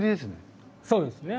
そうですね。